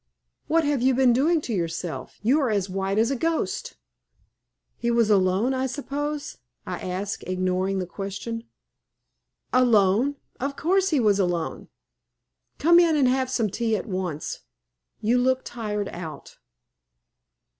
what have you been doing to yourself? You are as white as a ghost." "He was alone, I suppose?" I asked, ignoring the question. "Alone! Of course he was alone. Come in and have some tea at once. You look tired out."